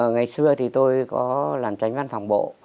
ngày xưa thì tôi có làm tránh văn phòng bộ